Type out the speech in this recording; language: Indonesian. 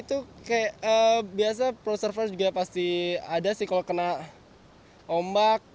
itu kayak biasa pro server juga pasti ada sih kalau kena ombak